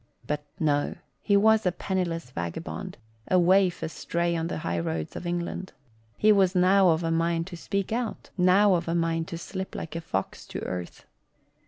But no! He was a penniless vagabond, a waif astray on the highroads of England. He was now of a mind to speak out; now of a mind to slip like a fox to earth.